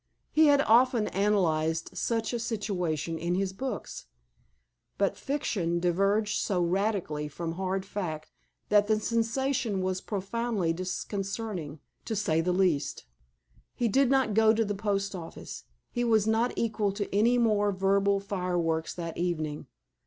He had often analyzed such a situation in his books, but fiction diverged so radically from hard fact that the sensation was profoundly disconcerting, to say the least. He did not go to the post office. He was not equal to any more verbal fire works that evening.